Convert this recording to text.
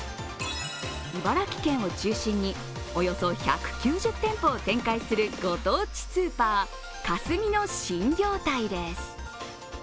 茨城県を中心に、およそ１９０店舗を展開するご当地スーパー・カスミの新業態です。